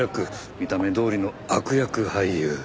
見た目どおりの悪役俳優。